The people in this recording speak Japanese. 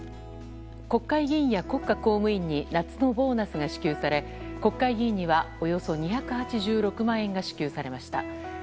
国会議員や国家公務員に夏のボーナスが支給され国会議員にはおよそ２８６万円が支給されました。